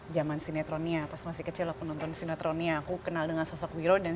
zaman sinetronnya pas masih kecil aku nonton sinetronnya aku kenal dengan sosok wiro dan